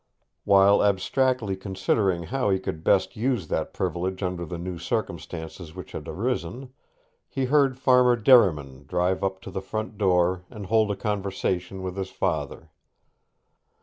While abstractedly considering how he could best use that privilege under the new circumstances which had arisen, he heard Farmer Derriman drive up to the front door and hold a conversation with his father.